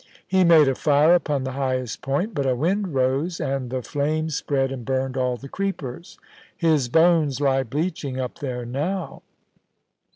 He made a fire upon the highest point, but a wind rose, and the flames 54 POLICY AND PASSION. spread and burned all the creepers. His bones lie bleaching up there now.